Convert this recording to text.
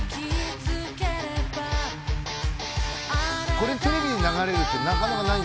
これテレビで流れるってなかなかない。